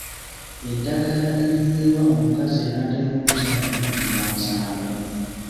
Eddagala erinywebwa omukazi an’atera okuzaala liyitibwa Nsamba.